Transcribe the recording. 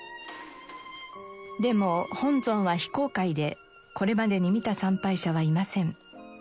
でも本尊は非公開でこれまでに見た参拝者はいません。